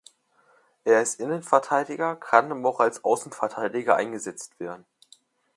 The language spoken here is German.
Er ist Innenverteidiger, kann aber auch als Außenverteidiger eingesetzt werden.